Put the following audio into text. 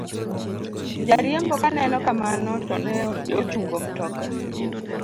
jariembo kanoneno kamano to ne ochungo mtoka